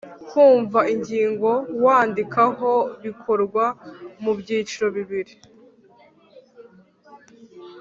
Kumva ingingo wandikaho bikorwa mu byiciro bibiri: